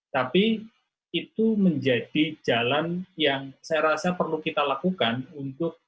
tapi itu menjadi jalan yang saya rasa perlu kita lakukan untuk